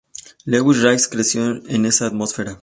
Lewis Rice creció en esa atmósfera.